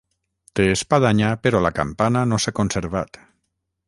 Té espadanya però la campana no s'ha conservat.